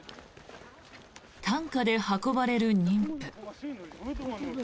担架で運ばれる妊婦。